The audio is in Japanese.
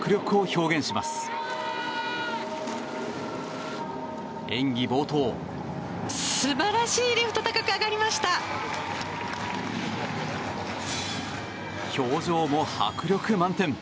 表情も迫力満点！